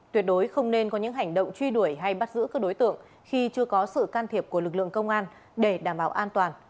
tuyệt đối không nên có những hành động truy đuổi hay bắt giữ các đối tượng khi chưa có sự can thiệp của lực lượng công an để đảm bảo an toàn